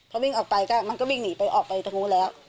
พอวิ่งออกไปก็มันก็วิ่งหนีไปออกไปตรงนู้นแล้ว